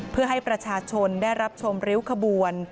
เพื่อให้ประชาชนได้รับชมริ้วขบวน